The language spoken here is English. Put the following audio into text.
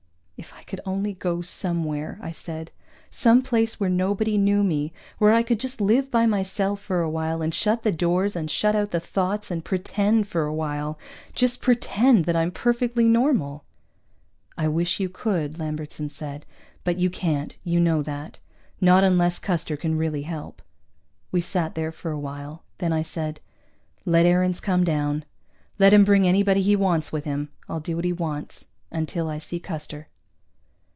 "If I could only go somewhere," I said. "Someplace where nobody knew me, where I could just live by myself for a while, and shut the doors, and shut out the thoughts, and pretend for a while, just pretend that I'm perfectly normal." "I wish you could," Lambertson said. "But you can't. You know that. Not unless Custer can really help." We sat there for a while. Then I said, "Let Aarons come down. Let him bring anybody he wants with him. I'll do what he wants. Until I see Custer."